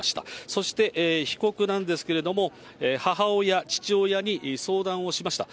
そして被告なんですけれども、母親、父親に相談をしました。